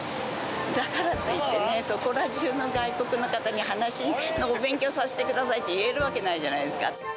だからといってね、そこら中の外国の方に話のお勉強をさせてくださいって言えるわけないじゃないですか。